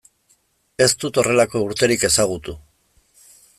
Ez dut horrelako urterik ezagutu.